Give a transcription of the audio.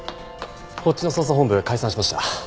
こっちの捜査本部解散しました。